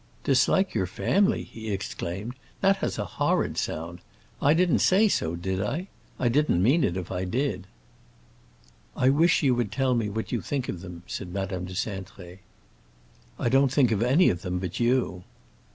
"Dislike your family?" he exclaimed. "That has a horrid sound. I didn't say so, did I? I didn't mean it, if I did." "I wish you would tell me what you think of them," said Madame de Cintré. "I don't think of any of them but you."